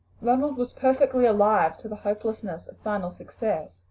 Ronald was perfectly alive to the hopelessness of final success.